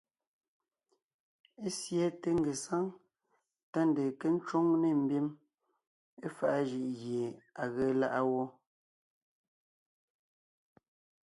Ésiɛte ngesáŋ tá ndeen nke ńcwóŋ nê mbim éfaʼa jʉʼ gie à ge láʼa wó.